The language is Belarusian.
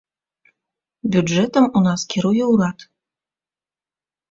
Бюджэтам у нас кіруе ўрад.